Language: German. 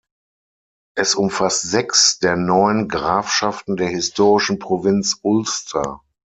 Es umfasst sechs der neun Grafschaften der historischen Provinz Ulster.